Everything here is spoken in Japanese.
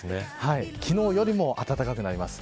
昨日よりも暖かくなります。